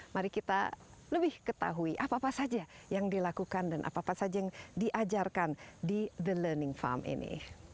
mari kita lebih ketahui apa apa saja yang dilakukan dan apa apa saja yang diajarkan di the learning farm ini